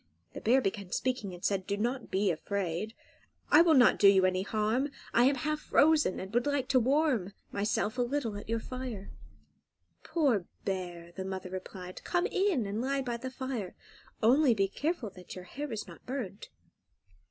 The bear began speaking, and said, "Do not be afraid: I will not do you any harm; I am half frozen, and would like to warm myself a little at your fire." "Poor bear!" the mother replied; "come in and lie by the fire; only be careful that your hair is not burnt."